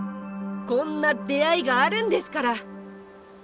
こんな出会いがあるんですから！